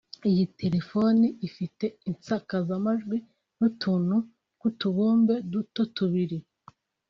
Iyi telefoni ifite insakazamajwi n’utuntu tw’utubumbe duto tubiri